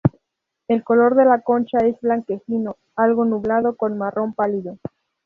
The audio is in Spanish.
El color de la concha es blanquecino, algo nublado con marrón pálido.